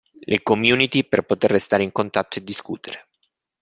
Le community per poter restare in contatto e discutere.